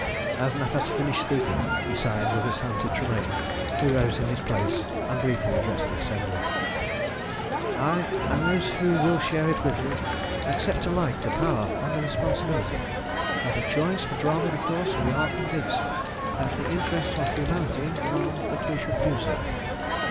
As Natas finished speaking, he signed with his hand to Tremayne, who rose in his place and briefly addressed the assembly "I and those who will share it with me accept alike the power and the responsibility not of choice, but rather because we are convinced that the interests of humanity demand that we should do so.